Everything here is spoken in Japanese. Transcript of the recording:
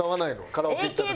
カラオケ行った時。